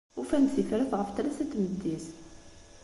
Ufan-d tifrat ɣef tlata n tmeddit